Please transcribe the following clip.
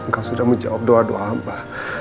engkau sudah menjawab doa doa hamba